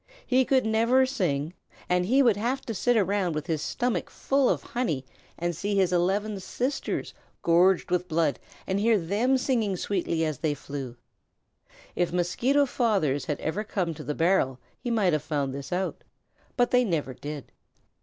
He could never sing, and he would have to sit around with his stomach full of honey and see his eleven sisters gorged with blood and hear them singing sweetly as they flew. If Mosquito Fathers had ever come to the barrel he might have found this out, but they never did.